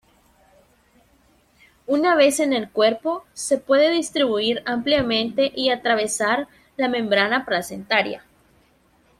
Una vez en el cuerpo, se puede distribuir ampliamente y atravesar la membrana placentaria.